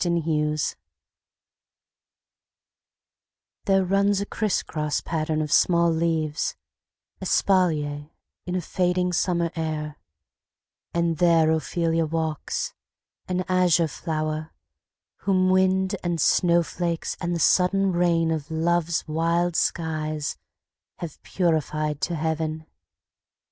OPHELIA There runs a crisscross pattern of small leaves Espalier, in a fading summer air, And there Ophelia walks, an azure flower, Whom wind, and snowflakes, and the sudden rain Of love's wild skies have purified to heaven.